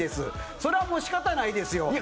それは、もう仕方ないですよ。